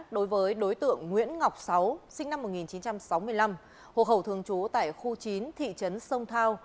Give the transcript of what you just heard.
đối với đối tượng nguyễn ngọc sáu sinh năm một nghìn chín trăm sáu mươi năm hộ khẩu thường trú tại khu chín thị trấn sông thao